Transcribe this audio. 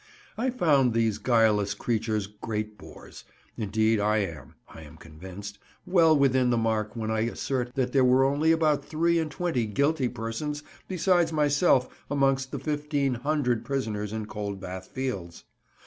I found these guileless creatures great bores; indeed I am (I am convinced) well within the mark when I assert that there were only about three and twenty guilty persons besides myself amongst the fifteen hundred prisoners in Coldbath Fields.